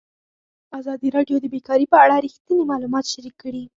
ازادي راډیو د بیکاري په اړه رښتیني معلومات شریک کړي.